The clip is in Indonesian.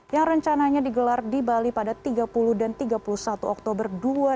yang rencananya digelar di bali pada tiga puluh dan tiga puluh satu oktober dua ribu dua puluh